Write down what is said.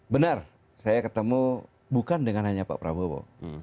benar saya ketemu bukan dengan hanya pak prabowo